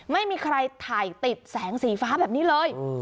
ไม่มีใครถ่ายติดแสงสีฟ้าแบบนี้เลย